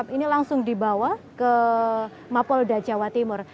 pembaikan ini juga di bawah ke mapolda jawa timur